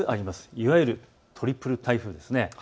いわゆるトリプル台風ですね。